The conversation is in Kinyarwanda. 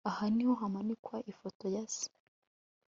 aha niho hamanikwa ifoto ya se